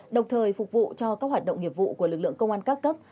đồng thời phục vụ cho các hoạt động nghiệp vụ của lực lượng công an các cấp